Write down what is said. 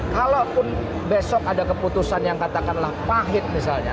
kalaupun besok ada keputusan yang katakanlah pahit misalnya